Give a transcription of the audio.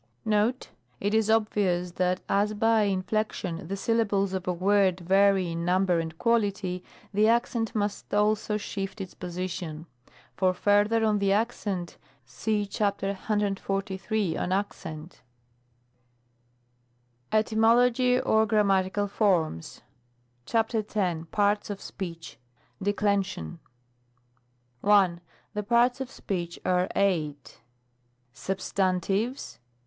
Note. — It is obvious that, as by inflection the syllables of a word vary in number and quality, the accent must also shift its position. For farther on the accent, see ^143 on Accent. •♦♦ CHAPTEK II. ETYMOLOGY, OR GRAMMATICAL FORMS. §10. Paets of Speech. — Deolensioit. 1. The parts of speech are eight : I. Substantives.